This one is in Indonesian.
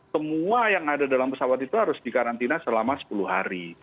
semua yang ada dalam pesawat itu harus dikarantina selama sepuluh hari